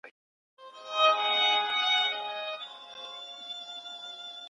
هر څوک د خپل مذهب پيروي کوي.